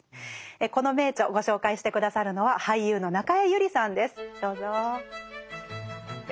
この名著ご紹介して下さるのは俳優の中江有里さんです。